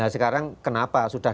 sekarang kenapa sudah